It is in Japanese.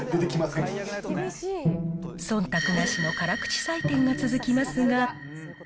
そんたくなしの辛口採点が続きますが。